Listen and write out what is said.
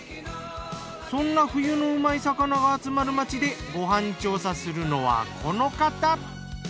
そんな冬のうまい魚が集まる町でご飯調査するのはこの方。